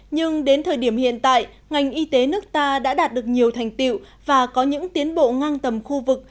nhưng đến thời điểm hiện tại ngành y tế nước ta đã đạt được nhiều thành tiệu và có những tiến bộ ngang tầm khu vực